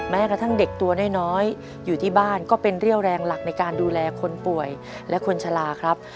แม้กระทั่งเด็กตัวน้อยอยู่ที่บ้านก็เป็นเรี่ยวแรงหลักในการดูแลคนป่วยและคนชะลาครับ